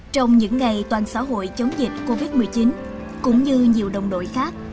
trong những ngày toàn xã hội chống dịch covid một mươi chín cũng như nhiều đồng đội khác